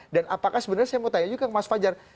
dan apakah sebenarnya saya mau tanya juga ke mas fajar